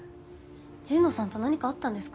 神野さんと何かあったんですか？